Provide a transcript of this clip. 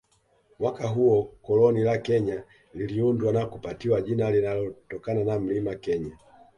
Mwaka huo koloni la Kenya liliundwa na kupatiwa jina linalotokana na Mlima Kenya